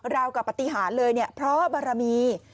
ราวกับปฏิหารเลยเนี่ยเพราะบารมี